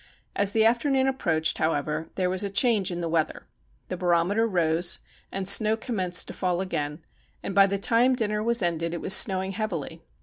As the afternoon approached, however, there was a change in the weather. The barometer rose, and snow com menced to fall again, and by the time dinner was ended it was snowing heavily.